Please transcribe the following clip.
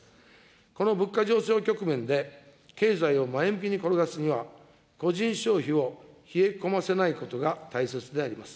この物価上昇局面で経済を前向きに転がすには、個人消費を冷え込ませないことが大切であります。